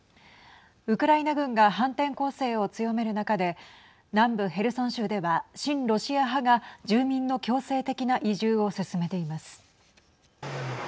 ウクライナ軍が反転攻勢を強める中で南部ヘルソン州では親ロシア派が住民の強制的な移住を進めています。